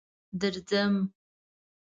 درځم.